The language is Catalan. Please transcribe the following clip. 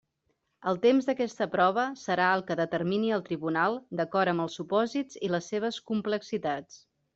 El temps d'aquesta prova serà el que determini el tribunal d'acord amb els supòsits i les seves complexitats.